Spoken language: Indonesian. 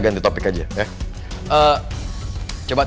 om lemos dia papahnya dewa